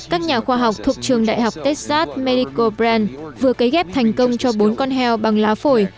các nhà khoa học thuộc trường đại học texas mexico brand vừa cấy ghép thành công cho bốn con heo bằng lá phổi